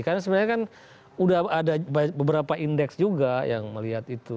karena sebenarnya kan udah ada beberapa indeks juga yang melihat itu